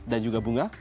dan juga bunga